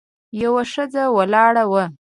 یوه ښځه ولاړه وه.